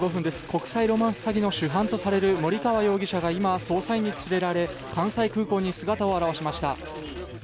国際ロマンス詐欺の主犯とされる森川容疑者が今、捜査員に連れられ関西空港に姿を現しました。